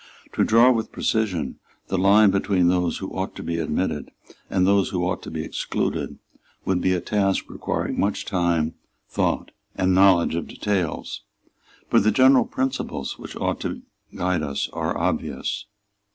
To draw with precision the line between those who ought to be admitted and those who ought to be excluded would be a task requiring much time, thought and knowledge of details. But the general principles which ought to guide us are obvious.